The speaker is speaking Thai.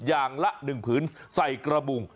อย่างละ๑ผืนใส่กระบุง